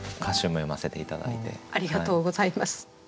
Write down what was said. ありがとうございます。